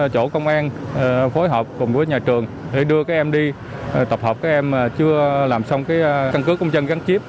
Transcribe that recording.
chỗ công an phối hợp cùng với nhà trường để đưa các em đi tập hợp các em chưa làm xong căn cước công dân gắn chip